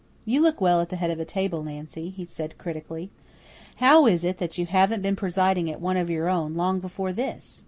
"You look well at the head of a table, Nancy," he said critically. "How is it that you haven't been presiding at one of your own long before this?